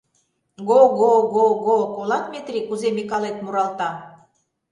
Го-го-го-го, колат, Метри, кузе Микалет муралта?